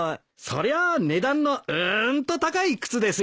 そりゃ値段のうーんと高い靴ですよ。